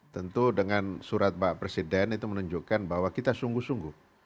tentu dengan surat pak presiden itu menunjukkan bahwa kita sungguh sungguh